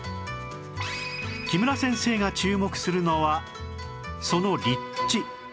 木村先生が注目するのはその立地